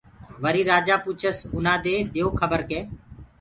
وريٚ رآجآ پوٚڇس اُنآدي ديئو کبر ڪي